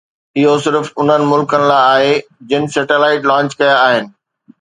اهو صرف انهن ملڪن لاءِ آهي جن سيٽلائيٽ لانچ ڪيا آهن